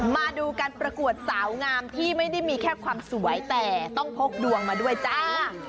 มาดูการประกวดสาวงามที่ไม่ได้มีแค่ความสวยแต่ต้องพกดวงมาด้วยจ้า